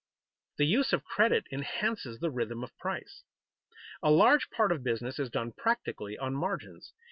The use of credit enhances the rhythm of price. A large part of business is done practically on margins.